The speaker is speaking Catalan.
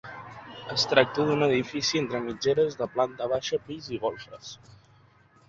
Es tracta d'un edifici entre mitgeres, de planta baixa, pis i golfes.